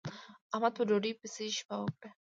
احمد په ډوډۍ پسې شپه وکړه.